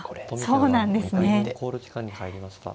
そうなんですね。